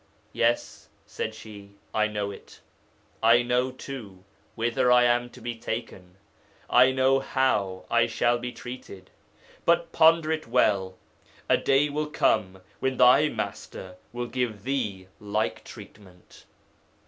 "Yes," said she, "I know it. I know, too, whither I am to be taken; I know how I shall be treated. But, ponder it well, a day will come when thy Master will give thee like treatment."